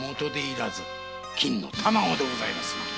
金の卵でございますな。